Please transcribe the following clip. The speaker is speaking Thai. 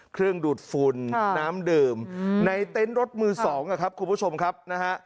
ดูดฝุ่นน้ำดื่มในเต็นต์รถมือสองนะครับคุณผู้ชมครับนะฮะ